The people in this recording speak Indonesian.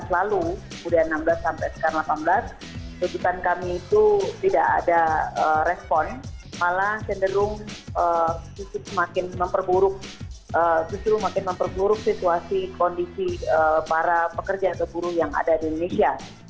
lalu kemudian enam belas sampai sekarang delapan belas tujuan kami itu tidak ada respon malah cenderung justru semakin memperburuk situasi kondisi para pekerja keburu yang ada di indonesia